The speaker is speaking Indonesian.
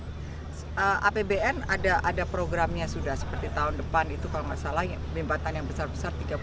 nah apbn ada programnya sudah seperti tahun depan itu kalau nggak salah jembatan yang besar besar tiga puluh